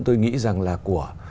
tôi nghĩ rằng là của